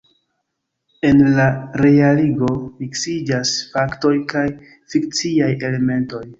En la realigo miksiĝas faktoj kaj fikciaj elementoj.